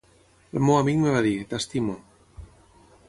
El meu amic em va dir: "T'estimo".